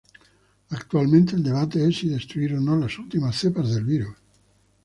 Actualmente el debate es si destruir o no las últimas cepas del virus.